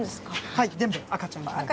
はい全部赤ちゃんクラゲ。